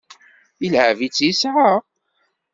Ileɛɛeb-itt yesɛa.